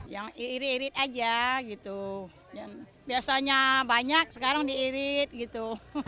yang irit irit aja gitu biasanya banyak sekarang diirit gitu